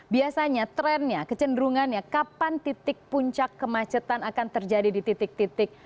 biasanya trennya kecenderungannya kapan titik puncak kemacetan akan terjadi di titik titik